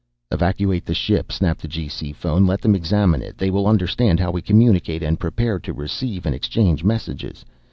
"Evacuate the ship," snapped the G.C. phone. "Let them examine it. They will understand how we communicate and prepare to receive and exchange messages.